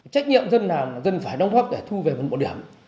trách nhiệm dân làm là dân phải đóng góp để thu về một bộ điểm